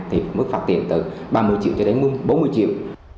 thì mức phạt tiền từ ba mươi triệu cho đến bốn mươi triệu